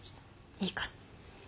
いいから。